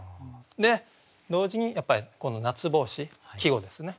で同時にやっぱりこの「夏帽子」季語ですね